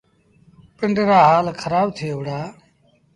پنڊرآ هآل کرآب ٿئي وُهڙآ۔